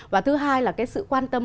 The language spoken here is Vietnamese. và thứ hai là cái sự quan tâm